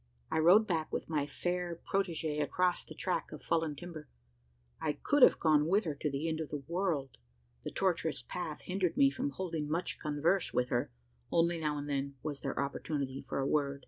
I rode back with my fair protegee across the track of fallen timber I could have gone with her to the end of the world! The tortuous path hindered me from holding much converse with her: only, now and then, was there opportunity for a word.